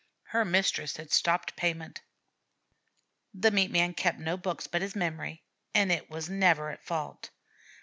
Her mistress had stopped payment. The meat man kept no books but his memory, and it never was at fault.